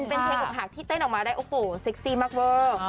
เป็นเพลงอกหักที่เต้นออกมาได้โอ้โหเซ็กซี่มากเวอร์